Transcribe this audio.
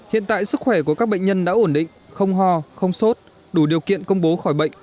hiện tại sức khỏe của các bệnh nhân đã ổn định không ho không sốt đủ điều kiện công bố khỏi bệnh